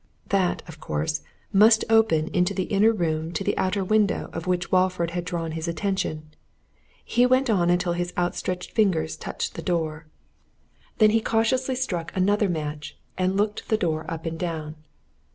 That, of course, must open into the inner room to the outer window of which Walford had drawn his attention. He went on until his outstretched fingers touched the door. Then he cautiously struck another match and looked the door up and down.